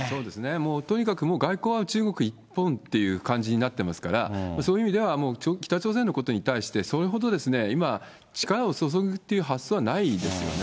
もう、とにかく外交は中国一本っていう感じになってますから、そういう意味では、もう北朝鮮のことに対してそれほど今、力を注ぐっていう発想はないですよね。